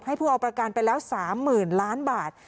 ผู้เอาประกันไปแล้ว๓๐๐๐ล้านบาท